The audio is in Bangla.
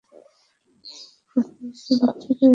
সেখানে 'দৈনিক স্বদেশ' পত্রিকায় কাজ শুরু করেন।